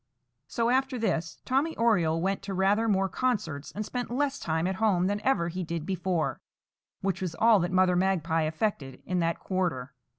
So, after this, Tommy Oriole went to rather more concerts, and spent less time at home than ever he did before, which was all that Mother Magpie effected in that quarter.